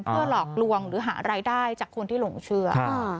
เพื่อหลอกลวงหรือหารายได้จากคนที่หลงเชื่อ